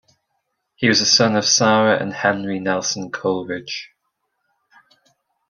He was the son of Sara and Henry Nelson Coleridge.